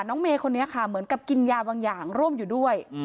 เมย์คนนี้ค่ะเหมือนกับกินยาบางอย่างร่วมอยู่ด้วย